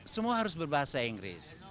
semua harus berbahasa inggris